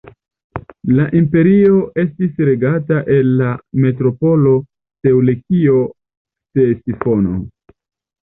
La imperio estis regata el la metropolo Seleŭkio-Ktesifono.